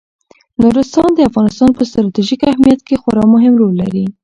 نورستان د افغانستان په ستراتیژیک اهمیت کې خورا مهم رول لري.